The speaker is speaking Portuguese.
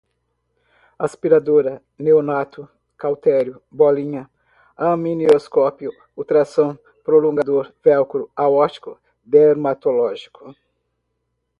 aspiradora, neonato, cautério, bolinha, amnioscópio, ultrassom, prolongador, velcro, aórtico, dermatológico